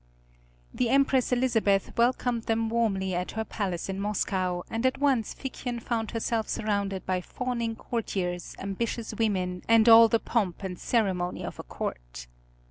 The Empress Elizabeth welcomed them warmly at her palace in Moscow, and at once Figchen found herself surrounded by fawning courtiers, ambitious women, and all the pomp and ceremony of a court.